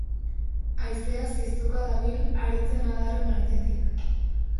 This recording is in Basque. Haizea ziztuka dabil haritzen adarren artetik.